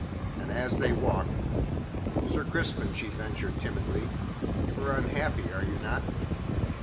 And as they walked: "Sir Crispin," she ventured timidly, "you are unhappy, are you not?"